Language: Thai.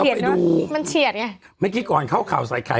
เฉียดเนอะมันเฉียดไงเราไปดูเมื่อกี้ก่อนเข้าข่าวใส่ไข่